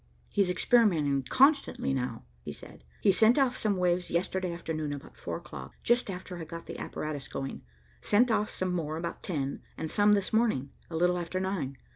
"He's experimenting constantly now," he said. "He sent off some waves yesterday afternoon about four o'clock, just after I got the apparatus going; sent off some more about ten, and some this morning, a little after nine.